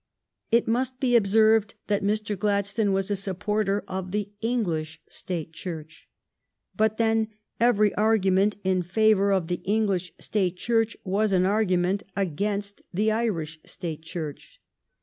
It must be observed that Mr. Gladstone was a sup porter of the English State Church. But then every argument in favor of the English State Church was an argument against the Irish State Church.